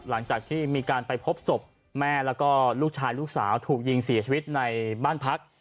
หลังจากที่มีการไปพบศพแม่แล้วก็ลูกชายลูกสาวถูกยิงเสียชีวิตในบ้านพัก